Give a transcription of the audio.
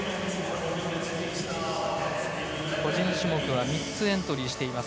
個人種目は３つエントリーしています。